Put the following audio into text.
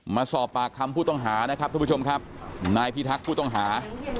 มาสอบปากคำผู้ต้องหานะครับทุกผู้ชมครับนายพิทักษ์ผู้ต้องหา